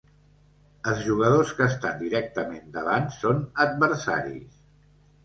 Es jugadors que estan directament davant són adversaris.